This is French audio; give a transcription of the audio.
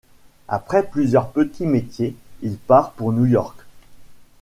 Après plusieurs petits métiers, il part pour New York.